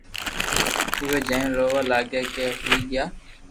اووي جائين رووا لاگيا ڪي ھوئي گيا